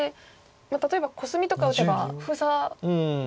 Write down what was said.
例えばコスミとか打てば封鎖できますか？